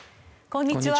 こんにちは。